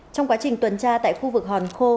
trong quá trình tuần tra tại khu vực hòn khô